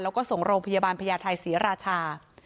แล้วก็ส่งโรงพยาบาลพญาไทยศรีราชา